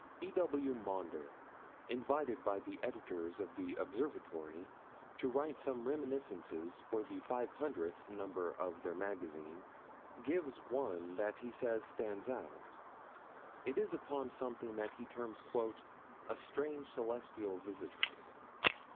E.W. Maunder, invited by the Editors of the Observatory to write some reminiscences for the 500th number of their magazine, gives one that he says stands out (Observatory, 39 214). It is upon something that he terms "a strange celestial visitor."